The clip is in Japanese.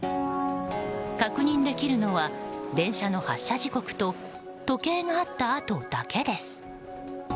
確認できるのは電車の発車時刻と時計があった跡だけです。